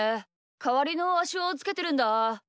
かわりのあしをつけてるんだ。